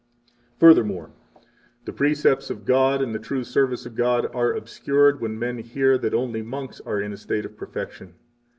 49 Furthermore, the precepts of God and the true service of God are obscured when men hear that only monks are in a state of perfection.